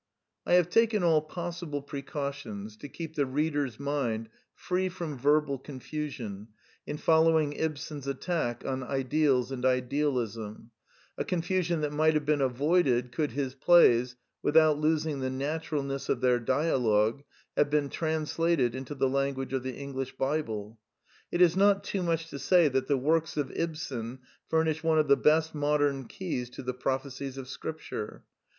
I have taken all possible precautions to keep the reader's mind free from verbal confusion in fol lowing Ibsen's attack on ideals and idealism, a confusion that might have been avoided could his plays, without losing the naturalness of their dia logue, have been translated into the language of the English Bible. It is not too much to say that the works of Ibsen furnish one of the best modern keys to the prophecies of Scripture.